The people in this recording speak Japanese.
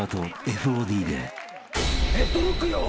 ヘッドロックよ！